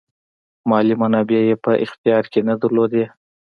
مالي منابع یې په اختیار کې نه درلودل.